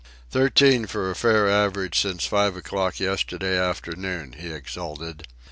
"Thirteen for a fair average since five o'clock yesterday afternoon," he exulted.